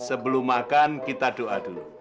sebelum makan kita doa dulu